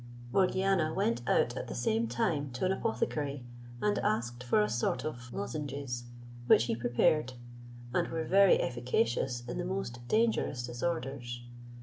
Morgiana went out at the same time to an apothecary, and asked for a sort of lozenges, which he prepared, and were very efficacious in the most dangerous disorders.